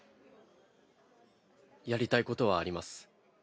やりたいことはあります。